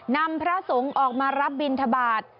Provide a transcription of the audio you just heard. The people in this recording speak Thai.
นำพระสงฆ์ออกมารับบินทบาท